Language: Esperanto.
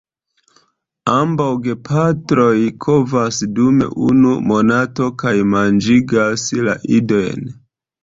Ambaŭ gepatroj kovas dum unu monato kaj manĝigas la idojn.